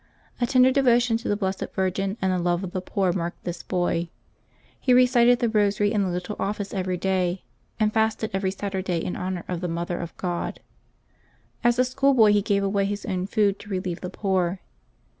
A tender devotion to the Blessed Virgin and a love of the poor marked this boy. He recited the Eosary and the Little Office every day, and fasted every Saturday in honor of the Mother of God. As a schoolboy he gave away his own food to relieve the poor.